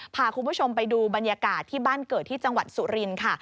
พาคุณผู้ชมไปดูบรรยากาศที่บ้านเกิดที่จังหวัดสุรินทร์ค่ะ